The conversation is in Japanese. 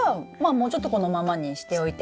もうちょっとこのままにしておいて。